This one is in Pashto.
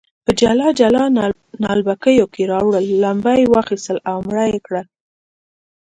په جلا جلا نعلبکیو کې راوړل، لمبه یې واخیستل او مړه یې کړل.